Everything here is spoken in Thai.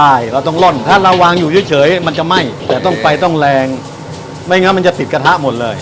ใช่เราต้องล่อนถ้าเราวางอยู่เฉยมันจะไหม้แต่ต้องไปต้องแรงไม่งั้นมันจะติดกระทะหมดเลย